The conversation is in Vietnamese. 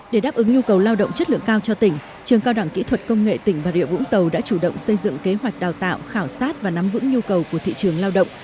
để đáp ứng nhu cầu lao động chất lượng cao cho tỉnh trường cao đẳng kỹ thuật công nghệ tỉnh bà rịa vũng tàu đã chủ động xây dựng kế hoạch đào tạo khảo sát và nắm vững nhu cầu của thị trường lao động